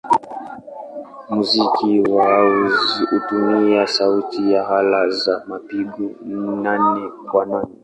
Muziki wa house hutumia sauti ya ala za mapigo nane-kwa-nane.